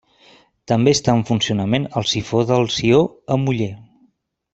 També està en funcionament el sifó del Sió a Muller.